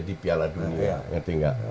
di piala dunia